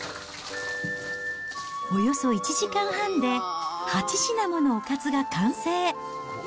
およそ１時間半で、８品ものおかずが完成。